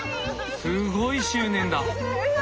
すごい執念だ。